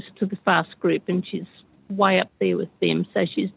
satu yang lebih kecil